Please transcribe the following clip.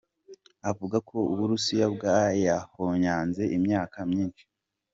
Avuga ko Uburusiya "bwayahonyanze imyaka myinshi".